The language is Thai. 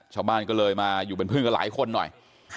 ชาวบ้านก็เลยมาอยู่เป็นเพื่อนกับหลายคนหน่อย